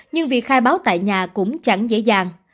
nhưng việc khai báo tại nhà cũng chẳng dễ dàng